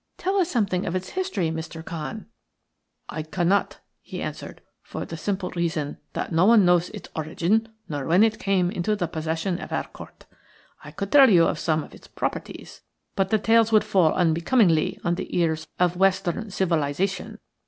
Tell us something of its history, Mr. Khan." "I cannot," he answered, "for the simple reason that no one knows Its origin nor when it came into the possession of our Court. I could tell of some of its properties, but the tales would fall unbecomingly on the ears of Western civilization."